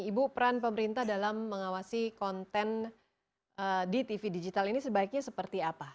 ibu peran pemerintah dalam mengawasi konten di tv digital ini sebaiknya seperti apa